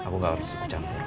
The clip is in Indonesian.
aku gak harus kejamnya